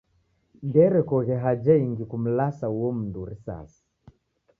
Ndeerekoghe haja ingi kumlasa uo mndu risasi.